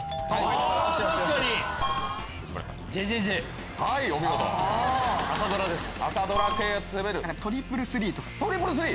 ピンポントリプルスリーとか。